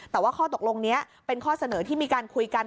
แต่ว่าข้อตกลงนี้เป็นข้อเสนอที่มีการคุยกัน